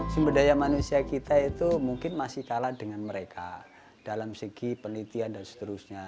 sumber daya manusia kita itu mungkin masih kalah dengan mereka dalam segi penelitian dan seterusnya